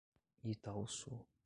Itauçu